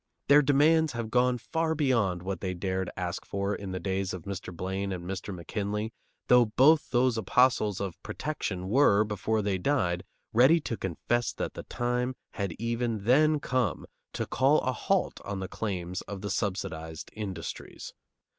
Their demands have gone far beyond what they dared ask for in the days of Mr. Blaine and Mr. McKinley, though both those apostles of "protection" were, before they died, ready to confess that the time had even then come to call a halt on the claims of the subsidized industries.